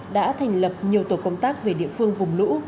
đã thành lập nhiều tổ công tác về địa phương vùng lũ